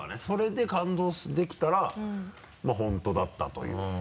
それで感動できたらまぁ本当だったという。